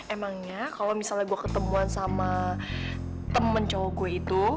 emangnya kalau misalnya gue ketemuan sama temen cowok gue itu